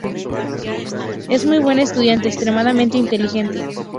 Es un muy buen estudiante, extremadamente inteligente.